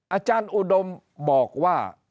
อาจารย์อุดมบอกว่า